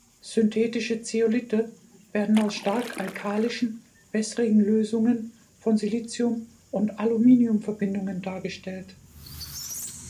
Synthetische Zeolithe werden aus stark alkalischen, wässrigen Lösungen von Silicium- und Aluminiumverbindungen dargestellt.